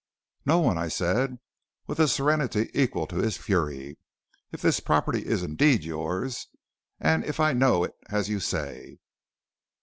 "'No one,' said I, with a serenity equal to his fury, 'if this property is indeed to be yours, and if I know it as you say.'